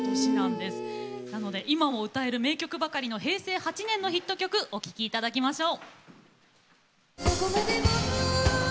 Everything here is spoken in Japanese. ですので今も歌える名曲ばかりの平成８年のヒット曲お聴きいただきましょう。